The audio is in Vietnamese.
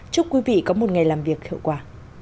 chúc quý vị có một ngày làm việc hiệu quả